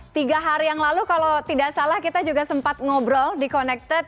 tiga hari yang lalu kalau tidak salah kita juga sempat ngobrol di connected